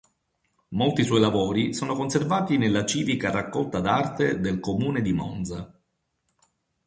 Molti suoi lavori sono conservati nella Civica raccolta d'Arte del comune di Monza.